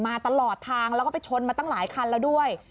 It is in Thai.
มาตลอดทางแล้วก็ไปชนมาตั้งหลายคันแล้วด้วย